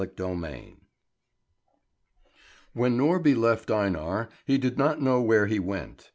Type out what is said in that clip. CHAPTER VI WHEN Norby left Einar, he did not know where he went.